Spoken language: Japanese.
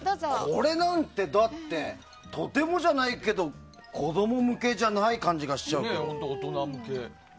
これなんてとてもじゃないけど子供向けじゃない感じがしちゃう。